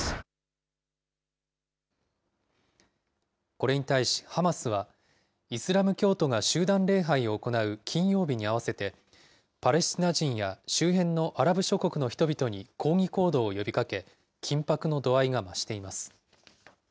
これに対し、ハマスは、イスラム教徒が集団礼拝を行う金曜日に合わせて、パレスチナ人や周辺のアラブ諸国の人々に抗議行動を呼びかけ、緊迫の度合いが増しています。